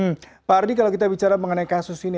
hmm pak ardi kalau kita bicara mengenai kasus ini